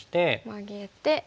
マゲて。